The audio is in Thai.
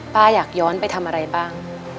ป้าอยากย้อนไปทำอะไรบ้าง